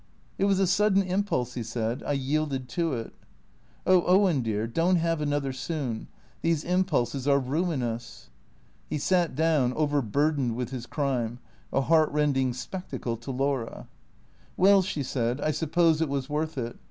'■ It was a sudden impulse," he said. " I yielded to it." " Oh, Owen dear, don't have another soon. These impulses are ruinous." He sat down, overburdened with his crime, a heartrending spectacle to Laura. " Well," she said, " I suppose it was worth it.